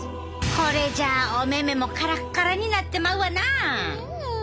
これじゃお目々もカラッカラになってまうわな。